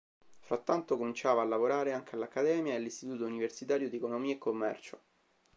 Frattanto cominciava a lavorare anche all'Accademia e all'Istituto universitario di economia e commercio.